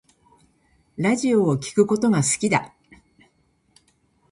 ラジオを聴くことが好きだ